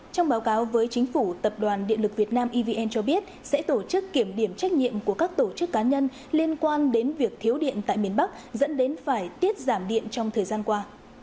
trong báo cáo với chính phủ tập đoàn điện lực việt nam evn cho biết sẽ tổ chức kiểm điểm trách nhiệm của các tổ chức cá nhân liên quan đến việc thiếu điện tại miền bắc dẫn đến phải tiết giảm điện trong thời gian qua